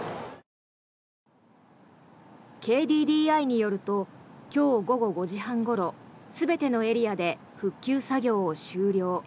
ＫＤＤＩによると今日午後５時半ごろ全てのエリアで復旧作業を終了。